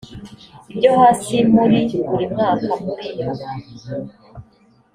ibyo hasi muri buri mwaka muri iyo